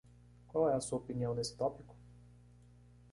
Qual é a sua opinião nesse tópico?